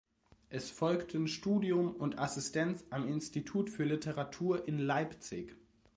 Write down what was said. Es folgten Studium und Assistenz am Institut für Literatur in Leipzig.